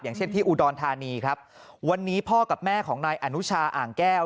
เช่นที่อุดรธานีครับวันนี้พ่อกับแม่ของนายอนุชาอ่างแก้ว